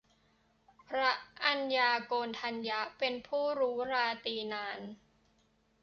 พระอัญญาโกณฑัญญะ เป็นผู้รู้ราตรีนาน